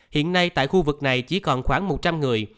hiện nay tại khu vực này chỉ còn khoảng một trăm linh người